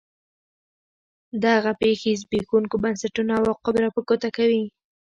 دغه پېښې زبېښونکو بنسټونو عواقب را په ګوته کوي.